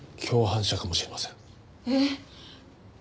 えっ！？